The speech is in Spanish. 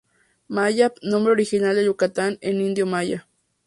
Mayab, nombre original de Yucatán en idioma maya.